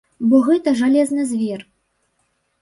Бо гэта жалезны звер!